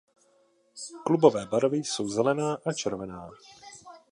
Klubové barvy jsou zelená a červená.